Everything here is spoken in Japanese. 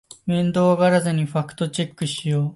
面倒がらずにファクトチェックしよう